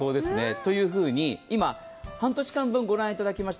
というふうに今、半年間分ご覧いただきました。